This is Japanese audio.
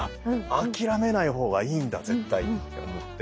諦めない方がいいんだ絶対！と思って。